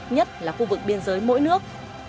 nhất là khu vực biên giới mỗi nước